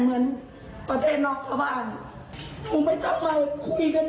เอาทุกตัวคนที่มีคุณที่ร่วมมือกัน